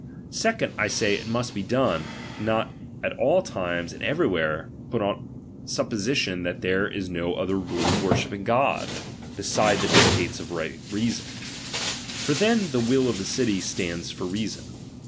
Sficondly, 1 say it must be done, not at all times and everywhere, but on supposi tion that there is no other rule of worshipping God, beside the dictates of human reason ; for then the will of the city stands for reason.